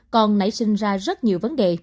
còn nảy sinh ra rất nhiều